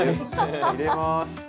入れます。